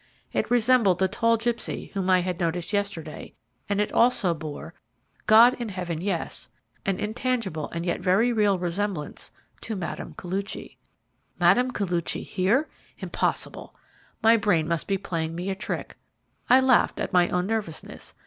It resembled the tall gipsy whom I had noticed yesterday, and it also bore God in Heaven, yes an intangible and yet very real resemblance to Mme. Koluchy. Mme. Koluchy here! Impossible! My brain must be playing me a trick. I laughed at my own nervousness.